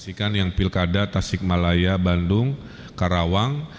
sikan yang pilkada tasikmalaya bandung karawang